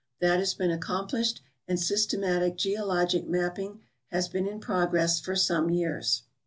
That has been accomplished and systematic geologic mapping has been in progress for some years.